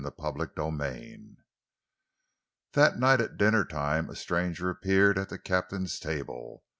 CHAPTER VIII That night at dinner time a stranger appeared at the captain's table.